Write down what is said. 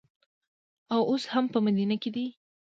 او اوس هم په مدینه کې دي.